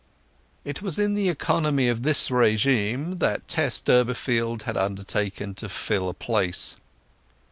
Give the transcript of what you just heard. It was in the economy of this régime that Tess Durbeyfield had undertaken to fill a place.